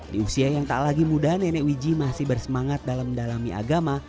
di usia yang tak lagi muda nenek wiji masih bersemangat dalam mendalami agama